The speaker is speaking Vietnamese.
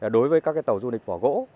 đối với các tàu du lịch vỏ gỗ